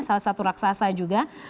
salah satu raksasa juga